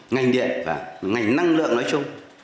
ngành điện và ngành năng lượng nói chung